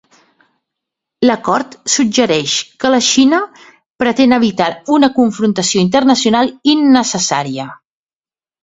L'acord suggereix que la Xina pretén evitar una confrontació internacional innecessària.